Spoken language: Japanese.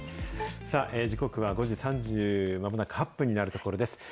さあ、時刻は５時３０、まもなく８分になるところです。